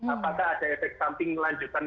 apakah ada efek samping lanjutan